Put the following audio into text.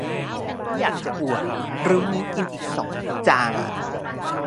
ไม่อยากจะอวด รู้งี้กินอีกสองจาน